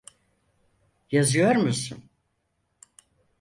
Yazıyor musun?